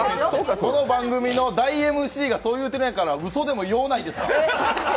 この番組の大ＭＣがそう言うてるんですからうそでもようないですか！？